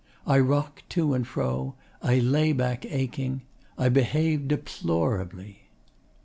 I rocked to and fro, I lay back aching. I behaved deplorably.